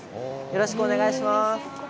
よろしくお願いします。